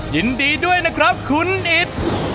ยินดีด้วยนะครับคุณอิต